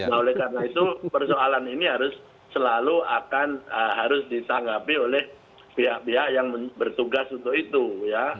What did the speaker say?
nah oleh karena itu persoalan ini harus selalu akan harus ditanggapi oleh pihak pihak yang bertugas untuk itu ya